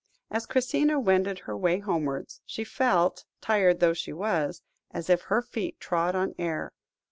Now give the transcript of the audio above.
As Christina wended her way homewards, she felt, tired though she was, as if her feet trod on air.